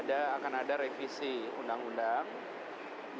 akan ada revisi undang undang